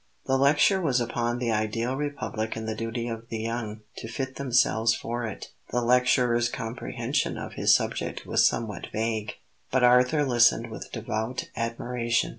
The lecture was upon the ideal Republic and the duty of the young to fit themselves for it. The lecturer's comprehension of his subject was somewhat vague; but Arthur listened with devout admiration.